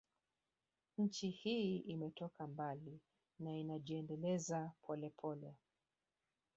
Nchi hii imetoka mbali na inajiendeleza polepole